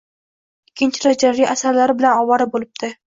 Ikkinchi darajali asarlari bilan ovora bo‘libdi…